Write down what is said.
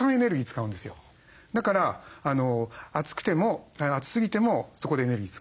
だから暑くても暑すぎてもそこでエネルギー使う。